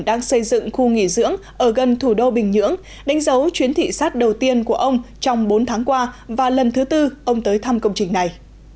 đang xây dựng khu nghỉ dưỡng ở gần thủ đô bình nhưỡng đánh dấu chuyến thị sát đầu tiên của ông trong bốn tháng qua và lần thứ tư ông tới thăm công trình này